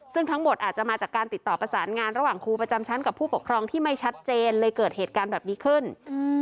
ซึ่งทั้งหมดอาจจะมาจากการติดต่อประสานงานระหว่างครูประจำชั้นกับผู้ปกครองที่ไม่ชัดเจนเลยเกิดเหตุการณ์แบบนี้ขึ้นอืม